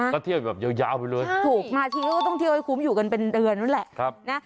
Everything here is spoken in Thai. ก็เที่ยวแบบยาวไปเลยถูกมาทีก็ต้องเที่ยวให้คุ้มอยู่กันเป็นเดือนนู้นแหละ